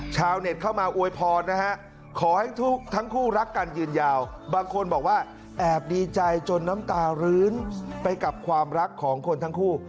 ชาวเน็ตเข้ามาอวยพรนะฮะขอให้ทุกทั้งคู่รักกันยืนยาวบางคนบอกว่าแอบดีใจจนน้ำตารื้นไปกับความรักของคนทั้งคู่